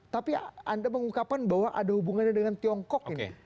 tapi anda mengungkapkan bahwa ada hubungannya dengan tiongkok ini